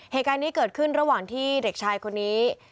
เหตุการณ์นี้เกิดขึ้นระหว่างที่เด็กชายคนนี้